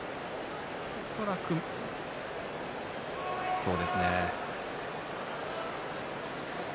恐らくそうですね。